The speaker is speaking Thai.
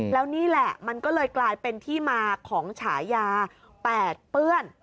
แล้วนี่แหละมันก็เลยกลายเป็นที่มาของฉายาแปดเปื้อน